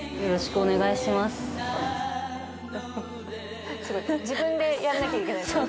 「すごい自分でやらなきゃいけないんですね